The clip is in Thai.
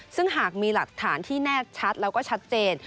ซึ่งหากมีหลักฐานที่แน่ชัดแล้วก็ชัดเจน